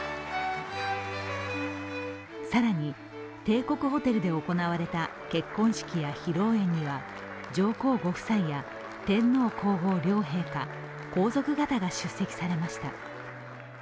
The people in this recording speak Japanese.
更に帝国ホテルで行われた結婚式や披露宴には上皇ご夫妻や天皇・皇后両陛下、皇族方が出席されました。